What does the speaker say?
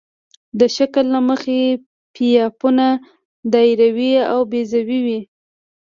د شکل له مخې پایپونه دایروي او بیضوي وي